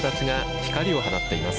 光を放っています。